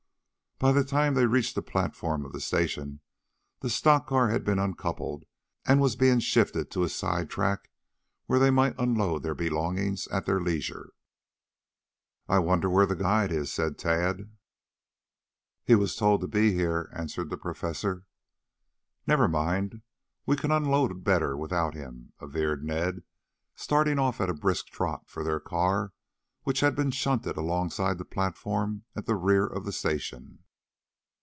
By the time they reached the platform of the station, the stock car had been uncoupled and was being shifted to a side track where they might unload their belongings at their leisure. "I wonder where that guide is," said Tad. "He was told to be here," answered the Professor. "Never mind; we can unload better without him," averred Ned, starting off at a brisk trot for their car which had been shunted alongside the platform at the rear of the station.